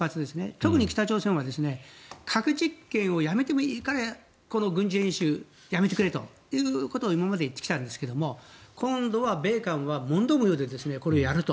特に北朝鮮は核実験をやめてもいいからこの軍事演習をやめてくれということを今まで言ってきたんですけど今度は米韓は問答無用で、これをやると。